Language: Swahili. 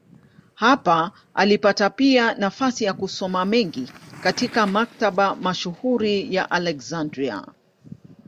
Hapa alipata pia nafasi ya kusoma mengi katika maktaba mashuhuri ya Aleksandria.